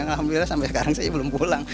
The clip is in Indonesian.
alhamdulillah sampai sekarang saya belum pulang